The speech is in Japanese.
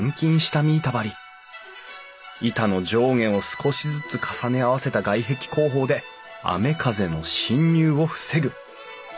板の上下を少しずつ重ね合わせた外壁工法で雨風の侵入を防ぐ。